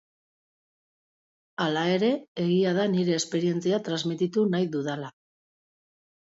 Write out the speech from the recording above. Hala ere, egia da nire esperientzia transmititu nahi dudala.